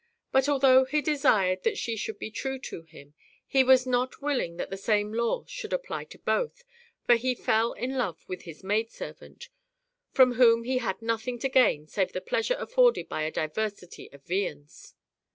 But although he desired that she should be true to him, he was not willing that the same law should apply to both, for he fell in love with his maid servant, from whom he had nothing to gain save the pleasure afforded by a diversity of viands.